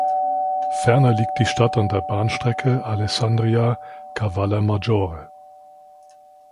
Ferner liegt die Stadt an der Bahnstrecke Alessandria–Cavallermaggiore.